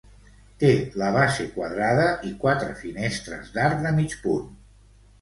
Té la base quadrada i quatre finestres d'arc de mig punt.